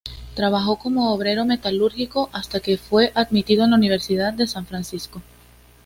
Trabajó como obrero metalúrgico hasta que fue admitido en la universidad de San Francisco.